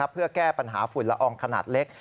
เพื่อแก้ปัญหาฝุ่นละอองขนาดเล็ก